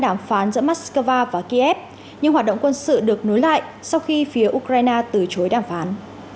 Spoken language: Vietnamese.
đàm phán giữa moscow và kiev nhưng hoạt động quân sự được nối lại sau khi phía ukraine từ chối đàm phán